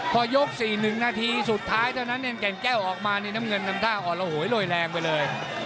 พอยก๔๑นาทีสุดท้ายเท่านั้นเองแก่นแก้วออกมานี่น้ำเงินทำท่าอ่อนระโหยโรยแรงไปเลย